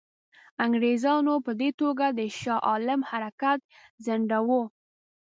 انګرېزانو په دې توګه د شاه عالم حرکت ځنډاوه.